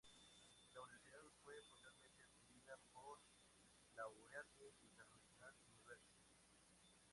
La universidad fue posteriormente adquirida por Laureate International Universities.